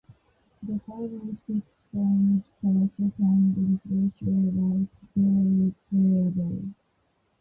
The five or six frames per second refresh rate was barely playable.